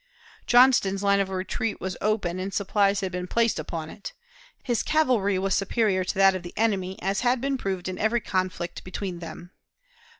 Johnston's line of retreat was open, and supplies had been placed upon it. His cavalry was superior to that of the enemy, as had been proved in every conflict between them.